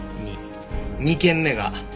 ２件目が３。